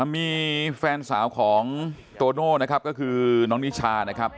มีแฟนสาวของโตโน่นะครับก็คือน้องนิชานะครับ